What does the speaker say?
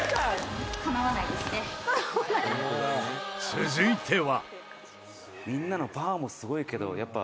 続いては。